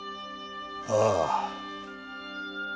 ああ。